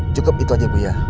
cukup itu aja bu ya